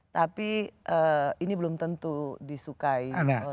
tapi ini belum tentu disukai